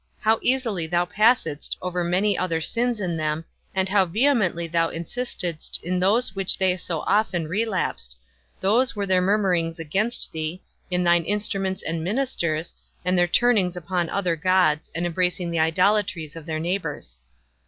How easily thou passedst over many other sins in them, and how vehemently thou insistedst in those into which they so often relapsed; those were their murmurings against thee, in thine instruments and ministers, and their turnings upon other gods, and embracing the idolatries of their neighbours.